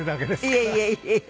いえいえいえいえ。